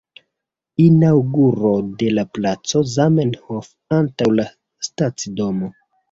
Inaŭguro de la placo Zamenhof antaŭ la stacidomo.